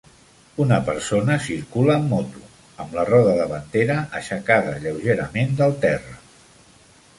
Una persona circula amb moto, amb la roda davantera aixecada lleugerament del terra.